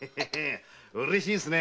うれしいですね